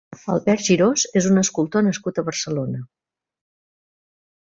Albert Girós és un escultor nascut a Barcelona.